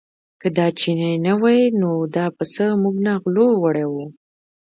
که دا چینی نه وای نو دا پسه موږ نه غلو وړی و.